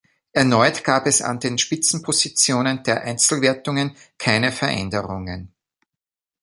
Erneut gab es an den Spitzenpositionen der Einzelwertungen keine Veränderungen.